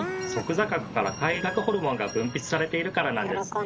坐核から快楽ホルモンが分泌されているからなんです。